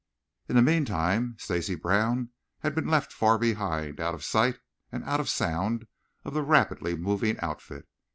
In the meantime Stacy Brown had been left far behind, out of sight and out of sound of the rapidly moving outfit.